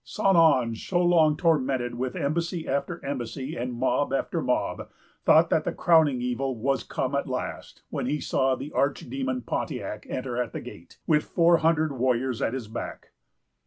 St. Ange, so long tormented with embassy after embassy, and mob after mob, thought that the crowning evil was come at last, when he saw the arch demon Pontiac enter at the gate, with four hundred warriors at his back.